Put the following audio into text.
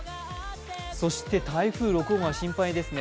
そして台風６号が心配ですね。